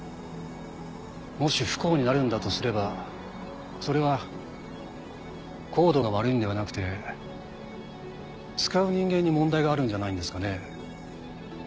もし不幸になるんだとすればそれはＣＯＤＥが悪いんではなくて使う人間に問題があるんじゃないんですかね？